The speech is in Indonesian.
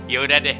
ya udah deh